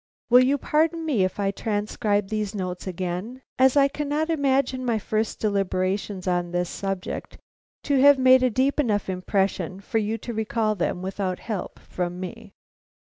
Will you pardon me if I transcribe these notes again, as I cannot imagine my first deliberations on this subject to have made a deep enough impression for you to recall them without help from me.